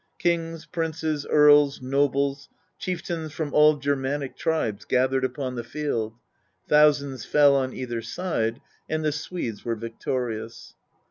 Kings, princes, earls, nobles, chieftains from all Germanic tribes, gathered upon the field ; thousands fell on either side, and the Swedes were victorious.